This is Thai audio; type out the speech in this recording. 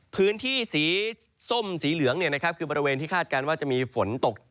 พื้นที่สีส้มสีเหลืองคือบริเวณที่คาดการณ์ว่าจะมีฝนตก